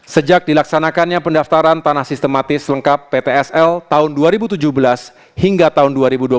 sejak dilaksanakannya pendaftaran tanah sistematis lengkap ptsl tahun dua ribu tujuh belas hingga tahun dua ribu dua puluh